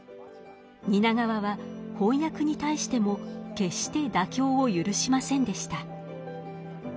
蜷川は翻訳に対しても決して妥協を許しませんでした。